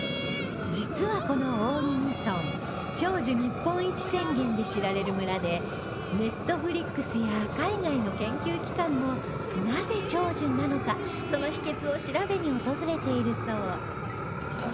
実はこの大宜味村長寿日本一宣言で知られる村で Ｎｅｔｆｌｉｘ や海外の研究機関もなぜ長寿なのかその秘訣を調べに訪れているそう